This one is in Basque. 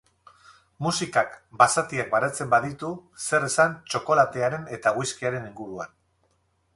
Musikak basatiak baretzen baditu, zer esan txokolatearen eta whiskiaren inguruan.